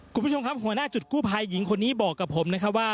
คุณผู้ชมครับหัวหน้าจุดกู้ภัยหญิงคนนี้บอกกับผมนะครับว่า